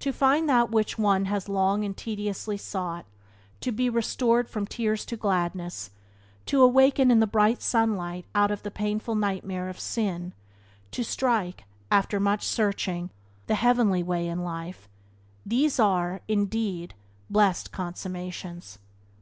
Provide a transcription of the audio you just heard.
To find that which one has long and tediously sought; to be restored from tears to gladness; to awaken in the bright sunlight out of the painful nightmare of sin, to strike, after much searching, the Heavenly Way in life — these are, indeed, blessed consummations.